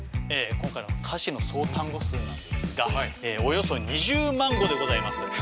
今回の歌詞の総単語数なんですがおよそ２０万語でございます。